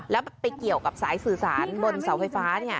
แล้วไปเกี่ยวกับสายสื่อสารบนเสาไฟฟ้าเนี่ย